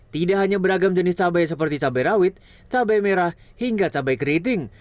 tidak hanya beragam jenis cabai seperti cabai rawit cabai merah hingga cabai keriting